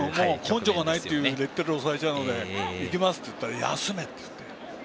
根性がないというレッテルがされるので行きますといったら休めって言われて。